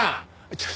ちょっと。